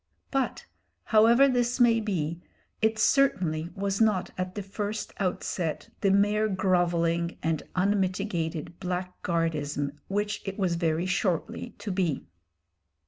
But, however this may be, it certainly was not at the first outset the mere grovelling and unmitigated blackguardism which it was very shortly to be.